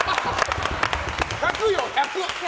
１００よ、１００。